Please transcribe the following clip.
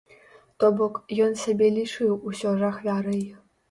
То бок, ён сябе лічыў усё ж ахвярай.